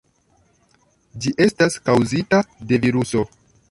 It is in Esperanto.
Ĝi estas kaŭzita de viruso.